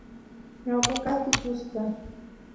ñawpa kaspi chusu kan